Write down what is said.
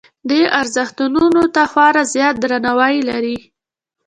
دې ارزښتونو ته خورا زیات درناوی لري.